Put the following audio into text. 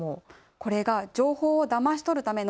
これが情報をだましとるための